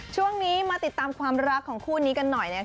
ช่วงนี้มาติดตามความรักของคู่นี้กันหน่อยนะคะ